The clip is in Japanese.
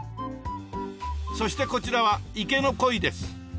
そしてこちらは池のコイです。